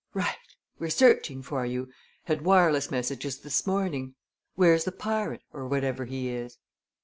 "Right! we're searching for you had wireless messages this morning. Where's the pirate, or whatever he is?"